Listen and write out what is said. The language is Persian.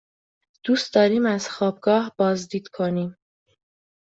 دوست داریم از خوابگاه بازدید کنیم.